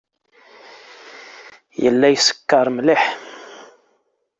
Yella yeskeṛ mliḥ.